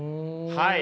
はい。